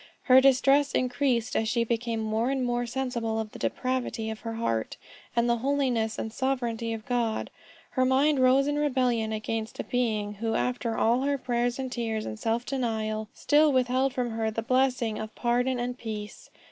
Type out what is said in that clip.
Her distress increased as she became more and more sensible of the depravity of her heart, and the holiness and sovereignty of God. Her mind rose in rebellion against a Being, who after all her prayers and tears and self denial, still withheld from her the blessing of pardon and peace.